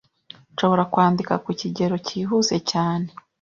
Nshobora kwandika ku kigero cyihuse cyane.